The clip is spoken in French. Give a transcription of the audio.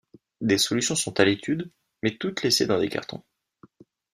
Des solutions sont à l'étude mais toutes laissées dans des cartons.